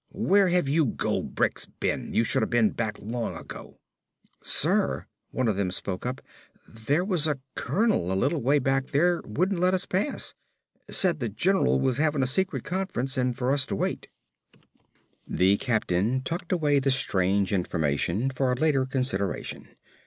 "Where have you goldbricks been? You should've been back long ago!" "Sir," one of them spoke up, "there was a colonel a little way back there wouldn't let us pass. Said the gen'ral was havin' a secret conf'rence and for us to wait." The captain tucked away the strange information for later consideration.